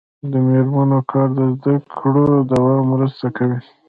د میرمنو کار د زدکړو دوام مرسته کوي.